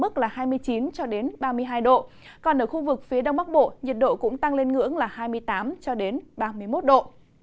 còn ở khu vực phía đông bắc bộ nhiệt độ cũng tăng lên ngưỡng là hai mươi tám ba mươi một độ